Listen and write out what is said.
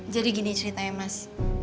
jadi gini ceritanya mas